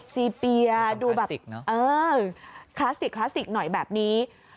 ซีเปียดูแบบเออคลาสสิกคลาสสิกหน่อยแบบนี้